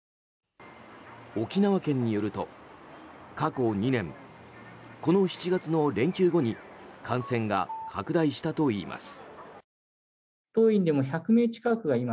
沖縄県によると過去２年この７月の連休後に感染が拡大したといいます。